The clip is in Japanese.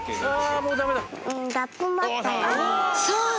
そう！